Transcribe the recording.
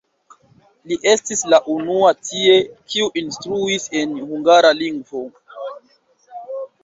Li estis la unua tie, kiu instruis en hungara lingvo.